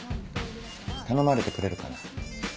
頼まれてくれるかな。